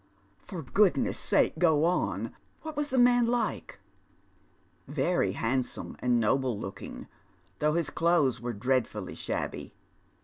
" For goodness' sake go on. What was the man like ?"*' Very handsome and nobln looking, though his clothes wei'O drcadl'ully shabby.